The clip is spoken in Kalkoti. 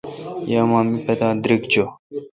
یہ اما می پتا دریگ چو۔